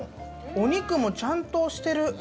お肉もちゃんとしてる。